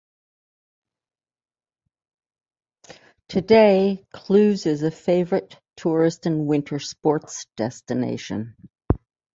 Today, Cluses is a favorite tourist and winter sports destination.